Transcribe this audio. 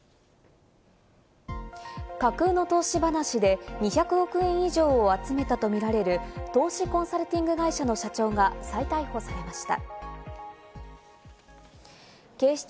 架空の投資話で２００億円以上を集めたとみられる投資コンサルティング会社の社長が再逮捕されました。